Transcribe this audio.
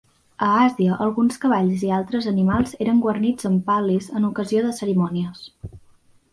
A Àsia alguns cavalls i altres animals eren guarnits amb pal·lis en ocasió de cerimònies.